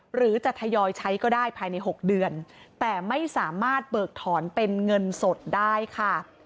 หรือจะทยอยใช้ก็ได้ภายใน๖เดือนแต่ไม่สามารถเบิกถอนเป็นเงินสดได้ค่ะ